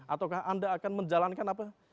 ataukah anda akan menjalankan apa